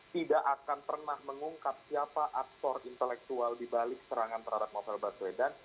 tidak akan pernah mengungkap siapa aktor intelektual dibalik serangan terhadap novel baswedan